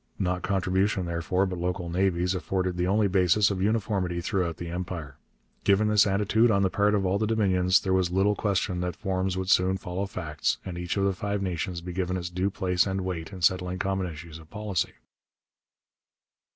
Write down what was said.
Not contribution therefore, but local navies, afforded the only basis of uniformity throughout the Empire. Given this attitude on the part of all the Dominions, there was little question that forms would soon follow facts, and each of the Five Nations be given its due place and weight in settling common issues of policy.